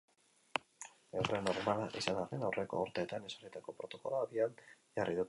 Egoera normala izan arren, aurreko urteetan ezarritako protokoloa abian jarri dute.